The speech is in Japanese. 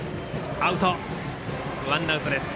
アウト、ワンアウトです。